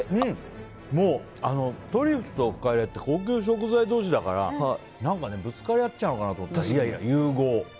もうトリュフとフカヒレって高級食材同士だからぶつかり合っちゃうのかなと思ったけどいやいや、融合。